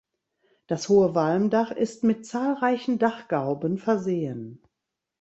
Das hohe Walmdach ist mit zahlreichen Dachgauben versehen.